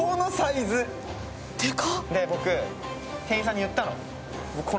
僕、店員さんに言ったの。